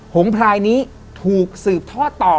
งพลายนี้ถูกสืบทอดต่อ